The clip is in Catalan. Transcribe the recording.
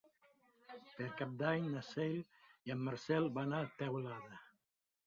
Per Cap d'Any na Cel i en Marcel van a Teulada.